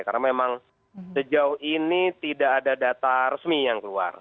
karena memang sejauh ini tidak ada data resmi yang keluar